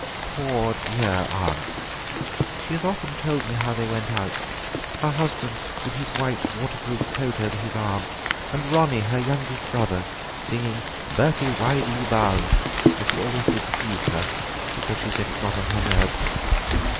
Poor dear aunt, she has often told me how they went out, her husband with his white waterproof coat over his arm, and Ronnie, her youngest brother, singing 'Bertie, why do you bound?' as he always did to tease her, because she said it got on her nerves.